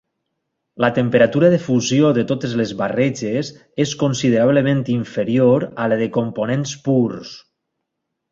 La temperatura de fusió de totes les barreges és considerablement inferior a la dels components purs.